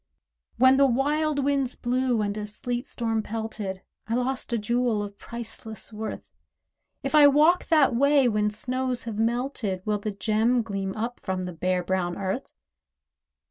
When wild winds blew, and a sleet storm pelted, I lost a jewel of priceless worth; If I walk that way when snows have melted, Will the gem gleam up from the bare brown Earth?